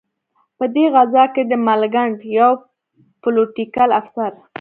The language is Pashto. په دې غزا کې د ملکنډ یو پلوټیکل افسر.